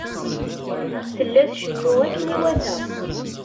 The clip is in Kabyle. Tella tcennu akken iwata.